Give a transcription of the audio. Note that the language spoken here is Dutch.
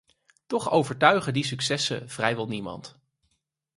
Toch overtuigen die successen vrijwel niemand.